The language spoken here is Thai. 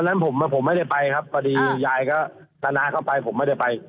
นั้นผมไม่ได้ไปครับพอดียายก็ตาน้าเข้าไปผมไม่ได้ไป